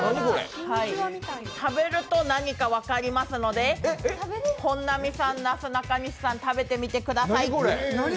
食べると何か分かりますので本並さん、なすなかにしさん食べてみてください。